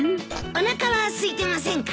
おなかはすいてませんか？